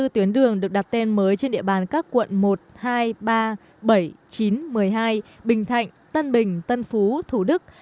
hai mươi bốn tuyến đường được đặt tên mới trên địa bàn các quận một hai ba bảy chín một mươi hai bình thạnh tân bình tân phú thủ đức